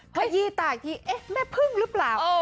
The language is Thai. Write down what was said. ขยี้ตาอีกทีเอ๊ะแม่พึ่งหรือเปล่า